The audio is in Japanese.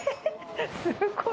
すごい！